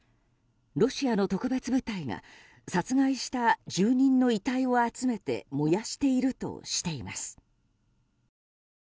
ロシアの特別部隊が殺害した住人の遺体を集めて燃やしているとしています。